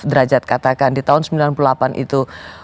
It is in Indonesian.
derajat katakan di tahun sembilan puluh delapan itu